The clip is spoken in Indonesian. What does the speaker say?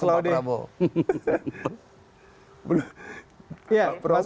mas laude gimana nih tanggapan terhadap ini